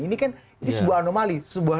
ini kan itu sebuah anomali